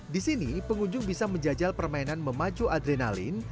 di sini pengunjung bisa menjajal permainan memacu adrenalin